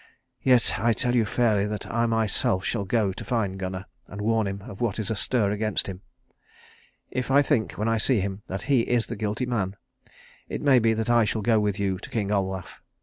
Yet I tell you fairly that I myself shall go to find Gunnar and warn him of what is astir against him. If I think, when I see him, that he is the guilty man, it may be that I shall go with you to King Olaf.